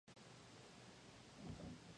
Both were defeated at their second readings.